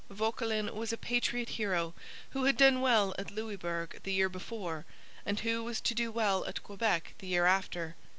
Vauquelin was a patriot hero, who had done well at Louisbourg the year before, and who was to do well at Quebec the year after.